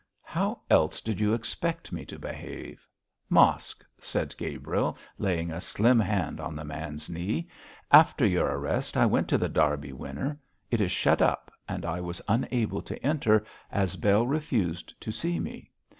'How else did you expect me to behave? Mosk!' said Gabriel, laying a slim hand on the man's knee, 'after your arrest I went to The Derby Winner. It is shut up, and I was unable to enter, as Bell refused to see me.